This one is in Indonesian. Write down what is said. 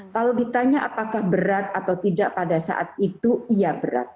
kalau ditanya apakah berat atau tidak pada saat itu iya berat